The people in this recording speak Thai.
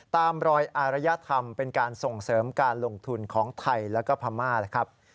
ตามรอยอารยธรรมเป็นการส่งเสริมการลงทุนของไทยแล้วก็พม่านะครับ